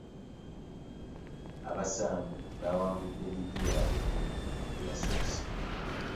Abasambi baawangudde liigi yaabwe ennene eyasoose.